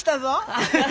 アハハ。